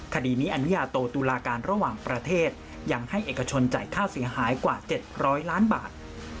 คดีนี้อนุญาโตตุลาการระหว่างประเทศยังให้เอกชนจ่ายค่าเสียหายกว่า๗๐๐ล้านบาท